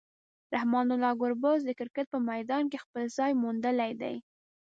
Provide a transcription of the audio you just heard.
رحمان الله ګربز د کرکټ په میدان کې خپل ځای موندلی دی.